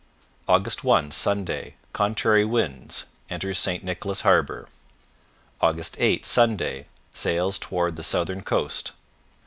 Aug. 1 Sunday Contrary winds; enters St Nicholas Harbour. " 8 Sunday Sails toward the southern coast.